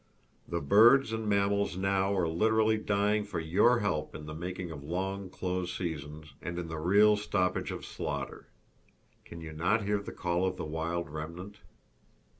The birds and mammals now are literally dying for your help in the making of long close seasons, and in the real stoppage of slaughter. Can you not hear the call of the wild remnant?